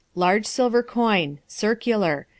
Large silver coin. Circular.